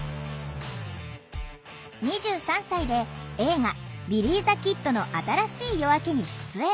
２３歳で映画「ビリィ・ザ・キッドの新しい夜明け」に出演。